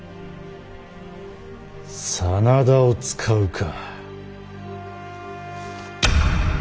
真田を使うか。